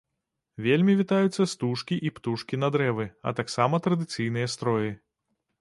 Вельмі вітаюцца стужкі і птушкі на дрэвы, а таксама традыцыйныя строі.